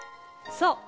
そう。